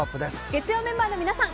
月曜メンバーの皆さん